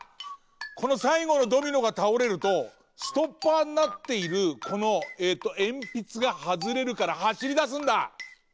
このさいごのドミノがたおれるとストッパーになっているこのえんぴつがはずれるからはしりだすんだ！